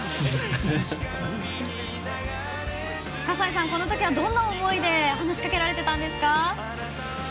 葛西さん、この時はどんな思いで話しかけられていたんですか？